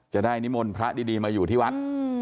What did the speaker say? นิมนต์พระดีมาอยู่ที่วัด